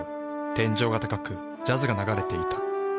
天井が高くジャズが流れていた。